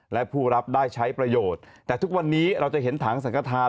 และผู้รับได้ใช้ประโยชน์แต่ทุกวันนี้เราจะเห็นถังสังกฐาน